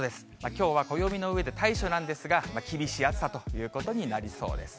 きょうは暦の上で大暑なんですが、厳しい暑さということになりそうです。